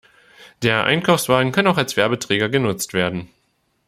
Der Einkaufswagen kann auch als Werbeträger genutzt werden.